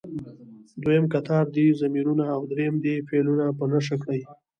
دویم کتار دې ضمیرونه او دریم دې فعلونه په نښه کړي.